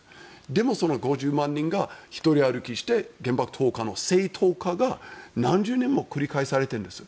でも、５０万人が独り歩きして原爆投下の正当化が何十年も繰り返されているんです。